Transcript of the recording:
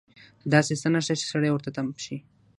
داسې څه نشته چې سړی ورته تم شي.